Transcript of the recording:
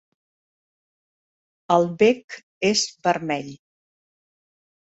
El bec és vermell.